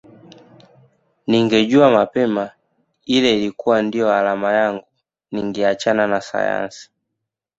Ningejua mapema ile ilikuwa ndiyo alama yangu ningeachana na sayansi